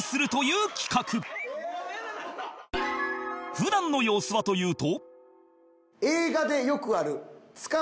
普段の様子はというと